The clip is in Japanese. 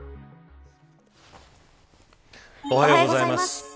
おはようございます。